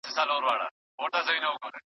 عرفاني شعر عامه تاثير لري.